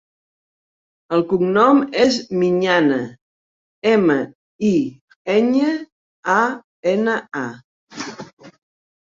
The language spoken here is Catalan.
El cognom és Miñana: ema, i, enya, a, ena, a.